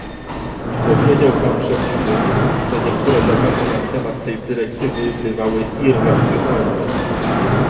Powiedział Pan przed chwilą, że niektóre debaty na temat tej dyrektywy bywały irracjonalne